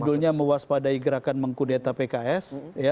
judulnya mewaspadai gerakan mengkudeta pks